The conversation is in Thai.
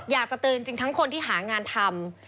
อยากจะเตือนจริงทั้งคนที่หางานทำ